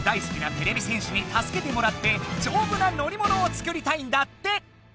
てれび戦士にたすけてもらってじょうぶな乗りものを作りたいんだって！